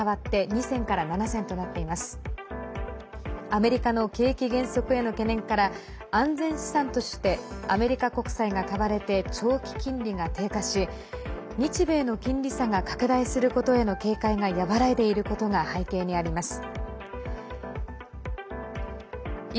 アメリカの景気減速への懸念から安全資産としてアメリカ国債が買われて長期金利が低下し日米の金利差が拡大することへの警戒が和らいでいることが背景にあります。